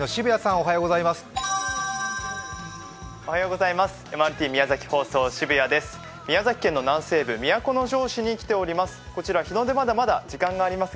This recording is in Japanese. おはようございます。